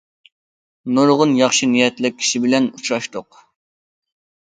نۇرغۇن ياخشى نىيەتلىك كىشى بىلەن ئۇچراشتۇق.